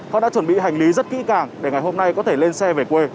họ đã chuẩn bị hành lý rất kỹ càng để ngày hôm nay có thể lên xe về quê